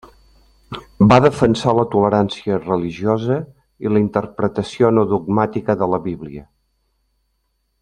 Va defensar la tolerància religiosa i la interpretació no dogmàtica de la Bíblia.